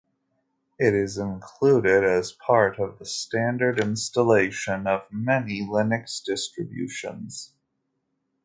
It is included as part of the standard installation of many Linux distributions.